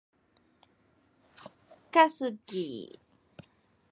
Craig was later replaced by Douglas Caskie.